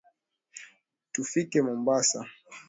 Tufike Mombasa